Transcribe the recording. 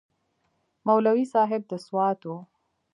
مولوي صاحب د سوات و.